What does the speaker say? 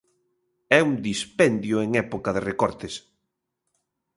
E un dispendio en época de recortes.